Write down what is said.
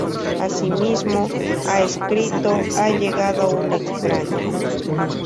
Asimismo, ha escrito "Ha llegado un extraño".